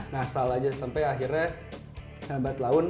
ngasal aja sampai akhirnya batlaun